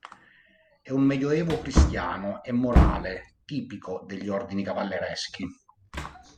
È un medioevo cristiano e morale tipico degli ordini cavallereschi.